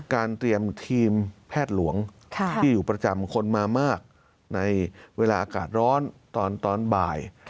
เตรียมทีมแพทย์หลวงที่อยู่ประจำคนมามากในเวลาอากาศร้อนตอนบ่าย